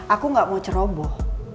aku gak mau ceroboh